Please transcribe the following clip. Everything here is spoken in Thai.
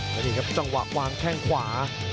แล้วนี่ครับจังหวะวางแข้งขวา